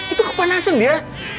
itu kepanasan dia